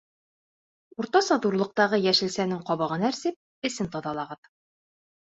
Уртаса ҙурлыҡтағы йәшелсәнең ҡабығын әрсеп, эсен таҙалағыҙ.